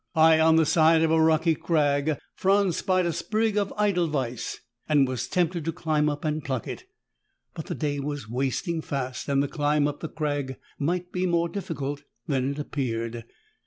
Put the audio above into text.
High on the side of a rocky crag, Franz spied a sprig of edelweiss and was tempted to climb up and pluck it. But the day was wasting fast and the climb up the crag might be more difficult than it appeared.